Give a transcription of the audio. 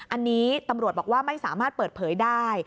อันนี้ตำรวจบอกว่าไม่สามารถเปิดเผยได้